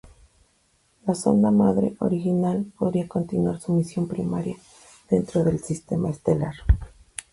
La sonda "madre" original podría continuar su misión primaria dentro del sistema estelar.